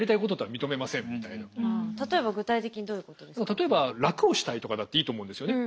例えば楽をしたいとかだっていいと思うんですよね。